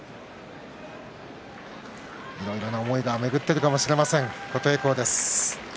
いろいろな思いが巡っているかもしれません琴恵光です。